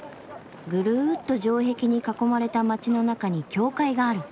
ぐるっと城壁に囲まれた街の中に教会がある。